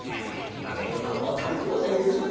マメごはんもたべほうだいですぞ。